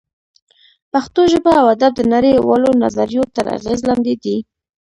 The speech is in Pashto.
پښتو ژبه او ادب د نړۍ والو نظریو تر اغېز لاندې دی